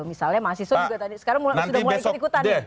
misalnya mahasiswa juga tadi sekarang mulai berpikir